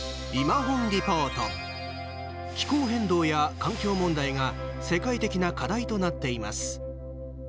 気候変動や環境問題が世界的な課題となっています。